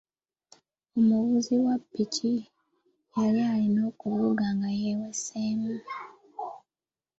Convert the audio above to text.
Omuvuzi wa ppiki yali alina okuvuga nga yeeweseemu.